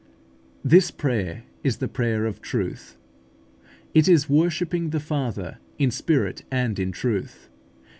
This prayer is the prayer of truth. It is worshipping the Father in spirit and in truth.